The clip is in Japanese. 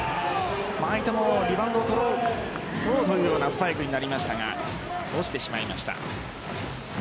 相手もリバウンドを取ろうというようなスパイクになりましたが落としてしまいました。